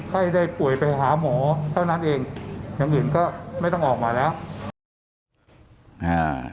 ไข้ได้ป่วยไปหาหมอเท่านั้นเองอย่างอื่นก็ไม่ต้องออกมาแล้วอ่า